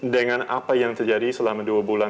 dengan apa yang terjadi selama dua bulan